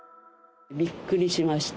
びっくりしました。